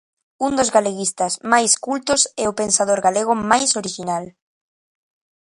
Un dos galeguistas mais cultos e o pensador galego mais orixinal.